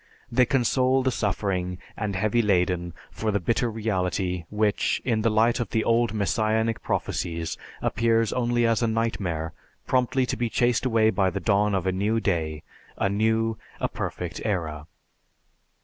They console the suffering and heavy laden for the bitter reality which, in the light of the old messianic prophecies, appears only as a nightmare, promptly to be chased away by the dawn of a new day, a new, a perfect era.